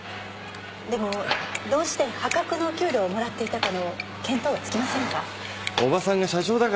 でもどうして破格の給料をもらっていたかの見当はつきませんか？